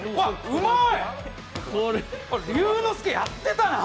うまいな！